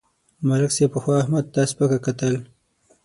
ملک صاحب پخوا احمد ته سپکه کتل.